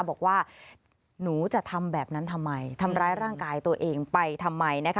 บอกว่าหนูจะทำแบบนั้นทำไมทำร้ายร่างกายตัวเองไปทำไมนะคะ